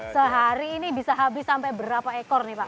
sehari ini bisa habis sampai berapa ekor nih pak